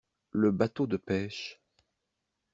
Le bateau de pêche.